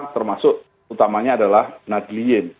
termasuk utamanya adalah nadlien